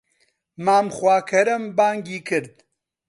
مام خواکەرەم بانگی کرد